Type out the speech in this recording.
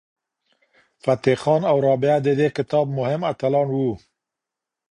فتح خان او رابعه د دې کتاب مهم اتلان وو.